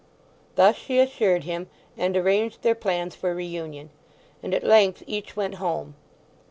Thus she assured him, and arranged their plans for reunion; and at length each went home.